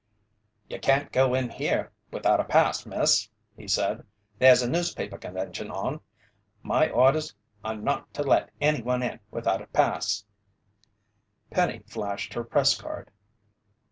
"You can't go in here without a pass, Miss," he said. "There's a newspaper convention on. My orders are not to let anyone in without a pass." Penny flashed her press card.